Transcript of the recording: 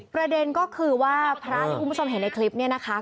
ประเด็นก็คือว่าพระที่คุณผู้ชมเห็นในคลิปนี้นะคะ